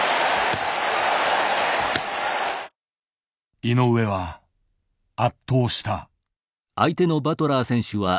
井上は圧倒した。